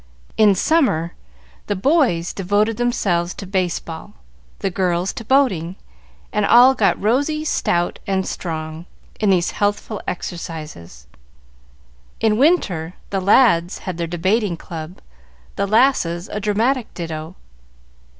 In summer, the boys devoted themselves to baseball, the girls to boating, and all got rosy, stout, and strong, in these healthful exercises. In winter, the lads had their debating club, the lasses a dramatic ditto.